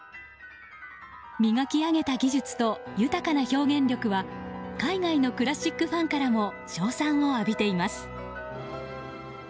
磨き上げた技術と豊かな表現力は海外のクラシックファンからも称賛を浴びています。